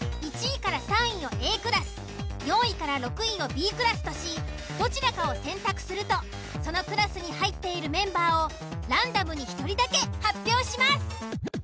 １位３位をＡクラス４位６位をＢクラスとしどちらかを選択するとそのクラスに入っているメンバーをランダムに１人だけ発表します。